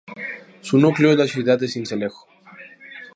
Su núcleo es la ciudad de Sincelejo.